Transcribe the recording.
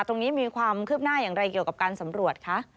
ตรงนี้มีความคืบหน้าอย่างไรเกี่ยวกับการสำรวจคะ